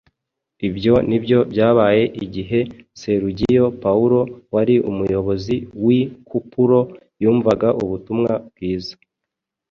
Ibyo nibyo byabaye igihe Serugiyo Pawulo wari umuyobozi w’i Kupuro yumvaga ubutumwa bwiza.